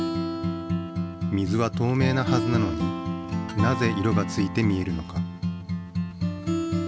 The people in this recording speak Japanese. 水はとうめいなはずなのになぜ色がついて見えるのか？